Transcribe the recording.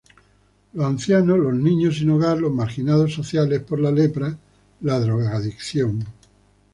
Los ancianos, los niños sin hogar, los marginados sociales por la lepra, la drogadicción.